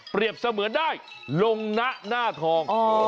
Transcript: เปรียบเสมือนได้ลงณน้าทอง